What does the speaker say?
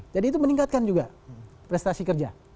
jadi itu meningkatkan juga prestasi kerja